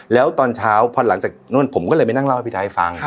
แล้วตอนเช้าพอหลังจากนู่นผมก็เลยไปนั่งเล่าให้พี่ไทยฟัง